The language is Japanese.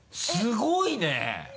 すごいね。